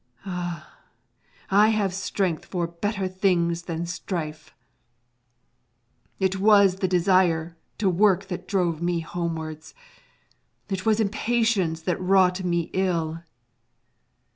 Ah, I have strength for better things than strife; it was the desire to work that drove me homewards; it was impatience that wrought me ill!